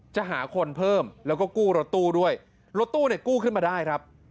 จะหาคนเพิ่มแล้วก็กู้รถตู้ด้วยรถตู้เนี่ยกู้ขึ้นมาได้ครับ